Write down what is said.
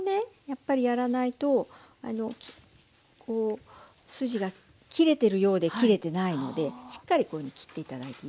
やっぱりやらないと筋が切れてるようで切れてないのでしっかりこういうふうに切って頂いていいですよ。